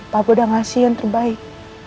aku udah ngasih yang terbaik